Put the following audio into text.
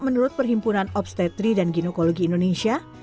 menurut perhimpunan obstetri dan ginekologi indonesia